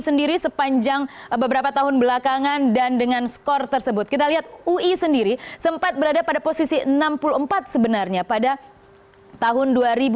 sendiri sepanjang beberapa tahun belakangan dan dengan skor tersebut kita lihat ui sendiri sempat berada pada posisi enam puluh empat sebenarnya pada tahun dua ribu dua